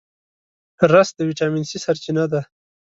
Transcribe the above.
رس د ویټامین C سرچینه ده